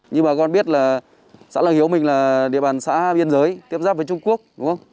như bà con biết là xã làng hiếu mình là địa bàn xã biên giới tiếp giáp với trung quốc đúng không